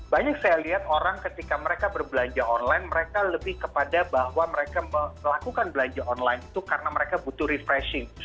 banyak saya lihat orang ketika mereka berbelanja online mereka lebih kepada bahwa mereka melakukan belanja online itu karena mereka butuh refreshing